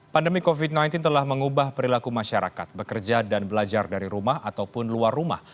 pandemi covid sembilan belas telah mengubah perilaku masyarakat bekerja dan belajar dari rumah ataupun luar rumah